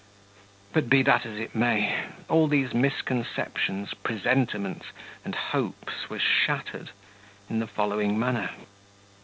But, be that as it may, all these misconceptions, presentiments, and hopes were shattered in the following manner.